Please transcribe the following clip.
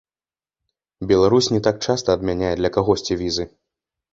Беларусь не так часта адмяняе для кагосьці візы.